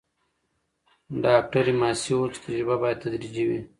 ډاکټره ماسي وویل چې تجربه باید تدریجي وي.